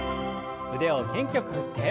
腕を元気よく振って。